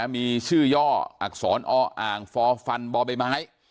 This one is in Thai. มีชื่อย่ออักษรออฟบม